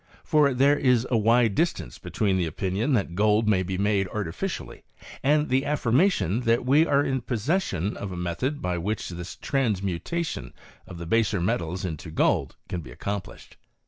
For there is a wide distance between the opinion that gold may be made artificially and the affirmation that we are in possession of a method by which this transmu* tation of the baser metals into gold can be accom plished.